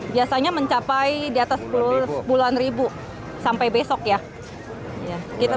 biasanya mencapai di atas sepuluhan ribu sampai besok ya